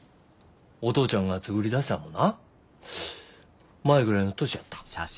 お父ちゃんが作りだしたんもな舞ぐらいの年やった。